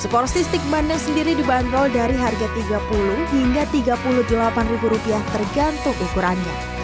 seporsi stik bandeng sendiri dibanderol dari harga tiga puluh hingga rp tiga puluh delapan tergantung ukurannya